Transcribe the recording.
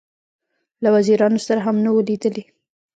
له وزیرانو سره هم نه وه لیدلې.